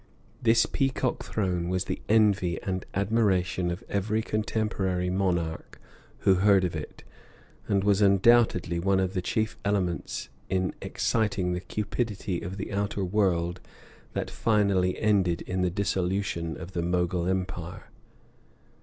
This Peacock Throne was the envy and admiration of every contemporary monarch who heard of it, and was undoubtedly one of the chief elements in exciting the cupidity of the outer world that finally ended in the dissolution of the Mogul Empire.